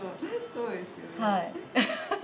そうですよね。